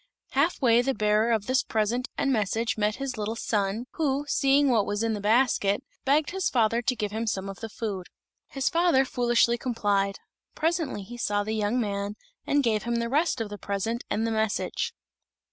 Half way the bearer of this present and message met his little son, who, seeing what was in the basket, begged his father to give him some of the food. His father foolishly complied. Presently he saw the young man, and gave him the rest of the present and the message.